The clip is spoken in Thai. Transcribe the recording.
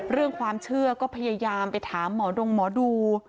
เรื่องความเชื่อก็พยายามไปถามหมอดงหมอดู